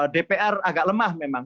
dpr agak lemah memang